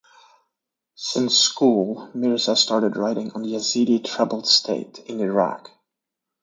Since school Mirza started writing on Yazidi troubled state in Iraq.